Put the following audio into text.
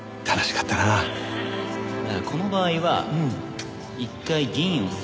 この場合は一回銀を下げて。